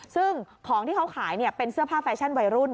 ซึ่งของที่เขาขายเป็นเสื้อผ้าแฟชั่นวัยรุ่น